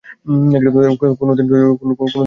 কোনো সত্য কোনোদিনই অতীত হতে পারে না।